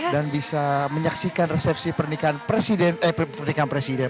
dan bisa menyaksikan resepsi pernikahan presiden eh pernikahan presiden